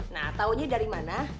nah taunya dari mana